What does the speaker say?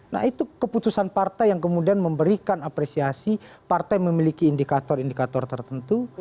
nah itu keputusan partai yang kemudian memberikan apresiasi partai memiliki indikator indikator tertentu